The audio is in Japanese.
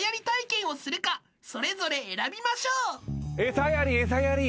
餌やり餌やり。